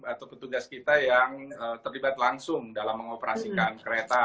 atau petugas kita yang terlibat langsung dalam mengoperasikan kereta